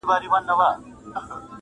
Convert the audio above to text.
چي اغږلی یې په خټه کي عادت دی -